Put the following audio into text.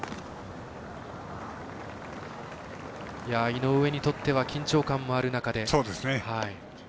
井上にとっては緊張感もある中で。